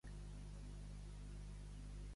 De la cabotada.